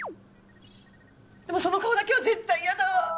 でもその顔だけは絶対嫌だ。